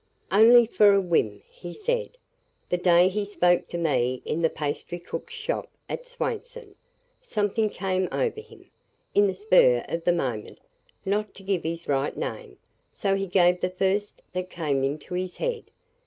"Only for a whim, he said. The day he spoke to me in the pastrycook's shop at Swainson, something came over him, in the spur of the moment, not to give his right name, so he gave the first that came into his head.